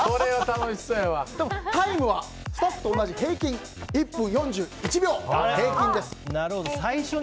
タイムはスタッフと同じ１分４１秒、平均です。